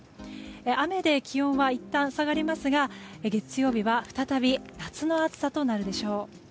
雨で気温はいったん下がりますが月曜日は再び夏の暑さとなるでしょう。